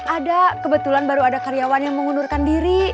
ada kebetulan baru ada karyawan yang mengundurkan diri